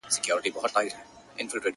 صبر چي تا د ژوند. د هر اړخ استاده کړمه.